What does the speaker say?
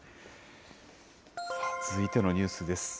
続いてのニュースです。